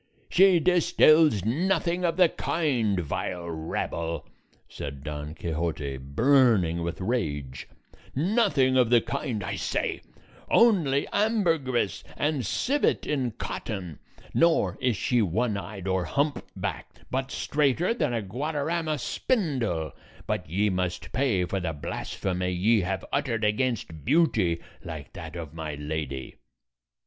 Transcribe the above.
"She distills nothing of the kind, vile rabble," said Don Quixote, burning with rage; "nothing of the kind, I say; only ambergris and civet in cotton; nor is she one eyed or hump backed, but straighter than a Guadarrama spindle: but ye must pay for the blasphemy ye have uttered against beauty like that of my lady."